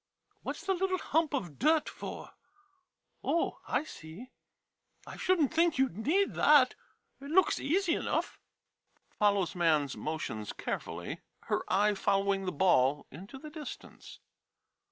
What 's the little hump of dirt for ? Oh — I see. I should n't think you 'd need that ; it looks easy enough. [Follows man's motions carefully, her eye following the ball into the distance.'